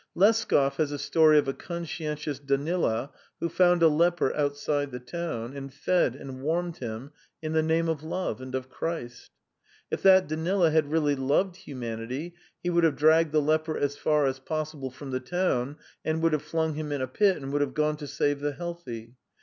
Leskov has a story of a conscientious Danila who found a leper outside the town, and fed and warmed him in the name of love and of Christ. If that Danila had really loved humanity, he would have dragged the leper as far as possible from the town, and would have flung him in a pit, and would have gone to save the healthy.